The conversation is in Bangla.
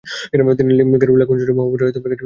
তিনি 'গুরু কেলুচরণ মহাপাত্র'-এর কাছেও শিক্ষা গ্রহণ করেন।